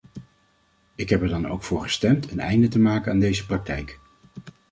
Ik heb er dan ook voor gestemd een einde te maken aan deze praktijk.